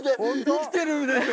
生きてるでしょ！